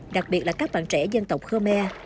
đặc biệt là các bạn trẻ dân tộc khmer